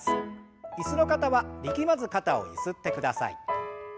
椅子の方は力まず肩をゆすってください。